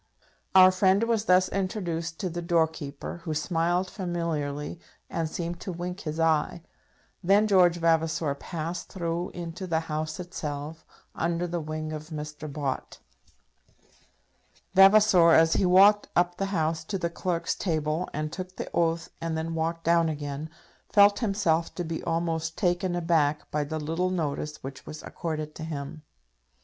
Our friend was thus introduced to the doorkeeper, who smiled familiarly, and seemed to wink his eye. Then George Vavasor passed through into the House itself, under the wing of Mr. Bott. Vavasor, as he walked up the House to the Clerk's table and took the oath and then walked down again, felt himself to be almost taken aback by the little notice which was accorded to him.